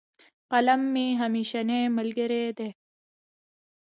قلم مي همېشنی ملګری دی.